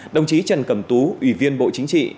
đồng chí trần cẩm tú ủy viên bộ chính trị